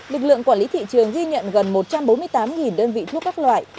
lực lượng quản lý thị trường ghi nhận gần một trăm bốn mươi tám đơn vị thuốc các loại